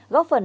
góp phần nền